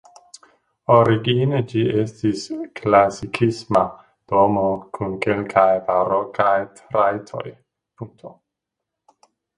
Origine ĝi estis klasikisma domo kun kelkaj barokaj trajtoj.